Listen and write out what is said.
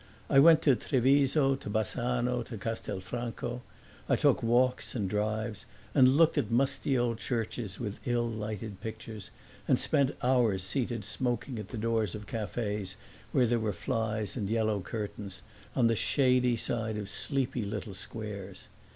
I went to Treviso, to Bassano, to Castelfranco; I took walks and drives and looked at musty old churches with ill lighted pictures and spent hours seated smoking at the doors of cafes, where there were flies and yellow curtains, on the shady side of sleepy little squares.